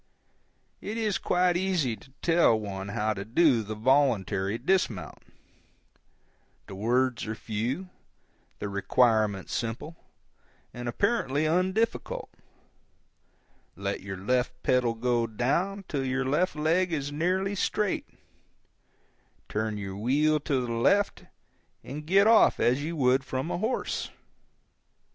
It is quite easy to tell one how to do the voluntary dismount; the words are few, the requirement simple, and apparently undifficult; let your left pedal go down till your left leg is nearly straight, turn your wheel to the left, and get off as you would from a horse.